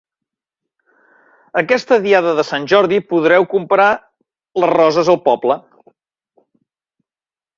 Aquesta diada de Sant Jordi, podreu comprar les roses al poble.